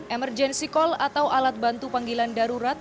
emergency call atau alat bantu panggilan darurat